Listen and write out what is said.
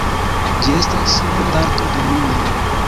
Ĝi estas simple parto de mi mem